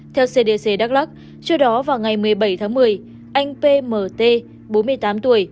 theo cdc đắk lắc trước đó vào ngày một mươi bảy tháng một mươi anh pmt bốn mươi tám tuổi